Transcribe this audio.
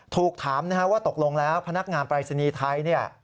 ถูกถามว่าตกลงแล้วพนักงานปรายศนีย์ไทย